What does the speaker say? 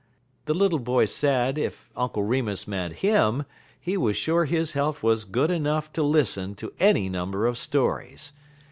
The little boy said if Uncle Remus meant him, he was sure his health was good enough to listen to any number of stories.